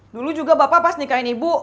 dulu juga bapak pas nikahin ibu